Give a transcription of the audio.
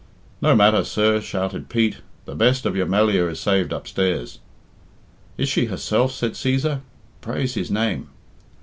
"No matter, sir," shouted Pete. "The best of your Melliah is saved upstairs." "Is she herself?" said Cæsar. "Praise His name!"